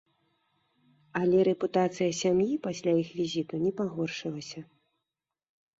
Але рэпутацыя сям'і пасля іх візіту не пагоршылася.